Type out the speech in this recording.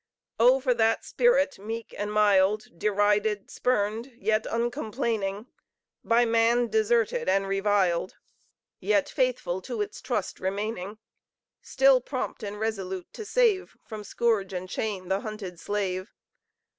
Oh, for that spirit meek and mild, Derided, spurned, yet uncomplaining By man deserted and reviled, Yet faithful to its trust remaining. Still prompt and resolute to save From scourge and chain the hunted slave!